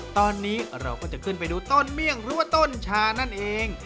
ตอนนี้เราก็จะขึ้นไปดูต้นเมี่ยงหรือว่าต้นชานั่นเอง